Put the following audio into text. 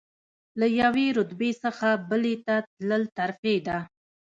له یوې رتبې څخه بلې ته تلل ترفیع ده.